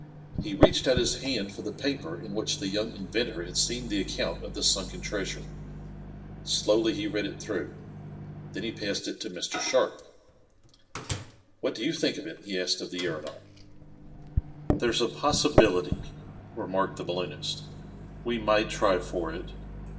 He reached out his hand for the paper in which the young inventor had seen the account of the sunken treasure. Slowly he read it through. Then he passed it to Mr. Sharp. "What do you think of it?" he asked of the aeronaut. "There's a possibility," remarked the balloonist "We might try for it.